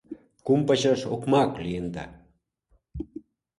— Кум пачаш окмак лийында!